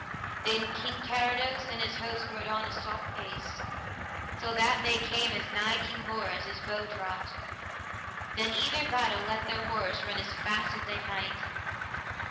Then King Carados and his host rode on a soft pace, till that they came as nigh King Bors as bow draught; then either battle let their horse run as fast as they might.